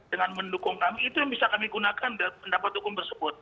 dengan mendukung kami itu yang bisa kami gunakan pendapat hukum tersebut